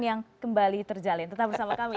yang kembali terjalin tetap bersama kami